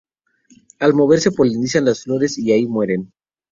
Al moverse polinizan las flores y ahí mueren.